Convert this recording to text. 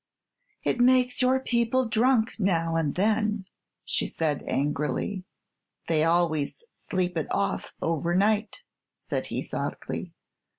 "It makes your people drunk now and then!" said she, angrily. "They always sleep it off over night," said he, softly.